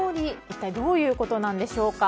一体どういうことなんでしょうか。